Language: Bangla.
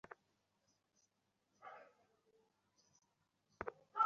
টুইটারে শাহরুখকে খানিকটা পাল্টা চ্যালেঞ্জই দিয়েছিলেন বাজীরাও ছবির সবার পক্ষে দীপিকা পাডুকোণ।